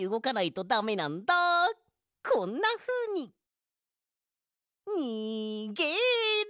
こんなふうに！にげろ！